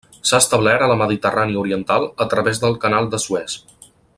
S'ha establert a la Mediterrània oriental a través del Canal de Suez.